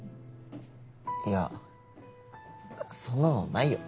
いやそんなのないよ